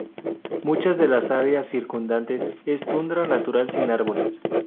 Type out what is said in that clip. Muchas de las áreas circundantes es tundra natural sin árboles.